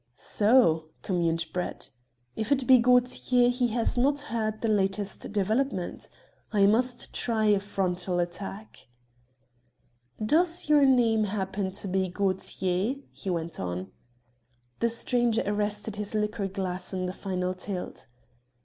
"So," communed Brett, "if it be Gaultier, he has not heard the latest developments. I must try a frontal attack." "Does your name happen to be Gaultier?" he went on. The stranger arrested his liqueur glass in the final tilt.